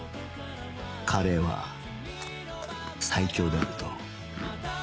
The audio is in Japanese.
カレーは最強であると